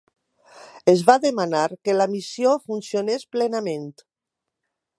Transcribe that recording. Es va demanar que la missió funcionés plenament.